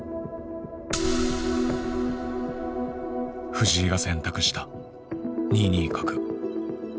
藤井が選択した２二角。